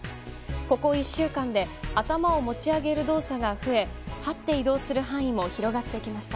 ここ１週間で頭を持ち上げる動作が増えはって移動する範囲も広がってきました。